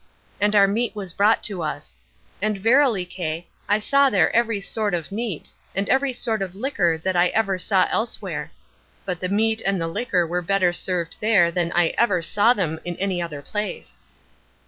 And our meat was brought to us. And verily, Kay, I saw there every sort of meat, and every sort of liquor that I ever saw elsewhere; but the meat and the liquor were better served there than I ever saw them in any other place.